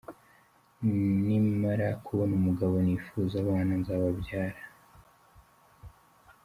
Nimara kubona umugabo nifuza abana nzababyara.